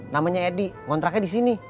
namanya edi ngontraknya di sini